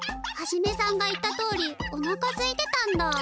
ハジメさんが言ったとおりおなかすいてたんだ。